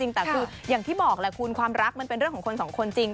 จริงแต่อย่างที่บอกความรักเป็นเรื่องของสองคนจริง